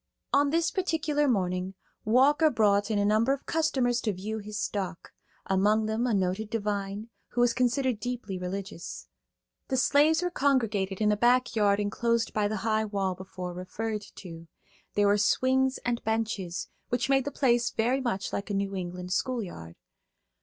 On this particular morning, Walker brought in a number of customers to view his stock; among them a noted divine, who was considered deeply religious. The slaves were congregated in a back yard enclosed by the high wall before referred to. There were swings and benches, which made the place very much like a New England schoolyard.